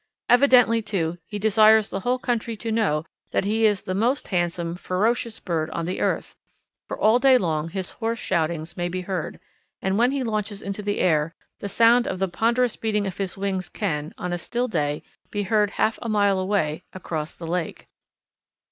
Evidently, too, he desires the whole country to know that he is the most handsome, ferocious bird on the earth; for all day long his hoarse shoutings may be heard, and when he launches into the air, the sound of the ponderous beating of his wings can, on a still day, be heard half a mile away, across the lake.